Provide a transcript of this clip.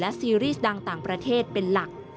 ซีรีส์ดังต่างประเทศเป็นหลัก